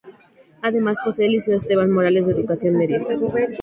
Además, posee el liceo Esteban Morales de educación media.